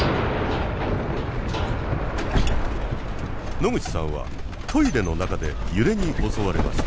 野口さんはトイレの中で揺れに襲われました。